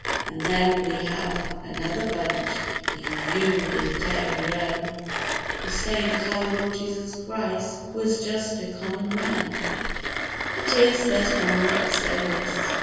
An' then we have another bunch— The Unita ri an, Who say that our Lord Jesus Christ Was just a common man— That is, there's one lot say this.